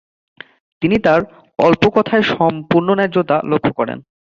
তিনি তাঁর "অল্প কথায় সম্পূর্ণ ন্যায্যতা" লক্ষ্য করেন।